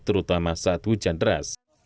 terutama saat hujan deras